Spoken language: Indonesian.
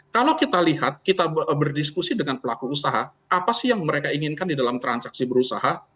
kalau kita lihat kita berdiskusi dengan pelaku usaha apa sih yang mereka inginkan di dalam transaksi berusaha